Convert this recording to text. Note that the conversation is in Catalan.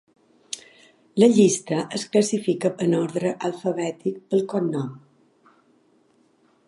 La llista es classifica en ordre alfabètic pel cognom.